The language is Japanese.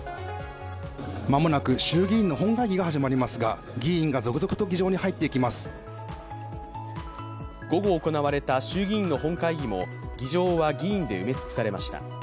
間もなく衆議院の本会議が始まりますが、議員が続々と午後行われた衆議院の本会議も議場は議員で埋め尽くされました。